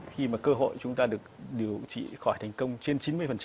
khi mà cơ hội chúng ta được điều trị khỏi thành công trên chín mươi